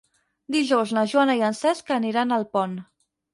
Dijous na Joana i en Cesc aniran a Alpont.